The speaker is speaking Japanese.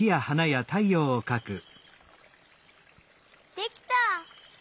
できた！